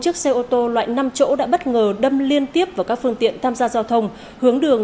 chiếc xe ô tô loại năm chỗ đã bất ngờ đâm liên tiếp vào các phương tiện tham gia giao thông hướng đường